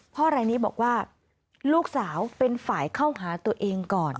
รายนี้บอกว่าลูกสาวเป็นฝ่ายเข้าหาตัวเองก่อน